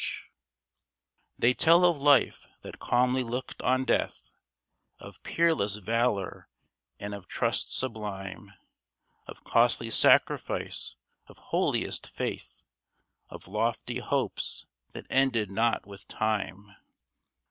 OUR FLAGS AT THE CAPITOL 85 They tell of Life that calmly looked on Death — Of peerless valor and of trust sublime — Of costly sacrifice, of holiest faith, Of lofty hopes that ended not with Time.